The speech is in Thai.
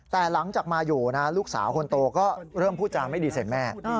แต่หลังจากมาอยู่นะลูกสาวคนโตก็เริ่มพูดจาไม่ดีใส่แม่